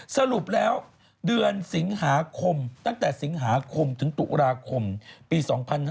สรุปแล้วเดือนสิงหาคมตั้งแต่สิงหาคมถึงตุลาคมปี๒๕๕๙